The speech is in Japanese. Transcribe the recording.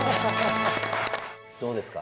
どうですか？